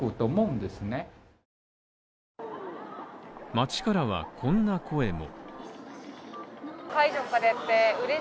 街からはこんな声も。